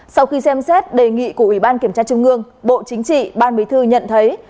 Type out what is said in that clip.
sau khi xem xét đề nghị của ủy ban kiểm tra trung ương bộ chính trị ban bí thư nhận thấy